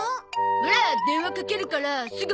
オラ電話かけるからすぐ持ってきて。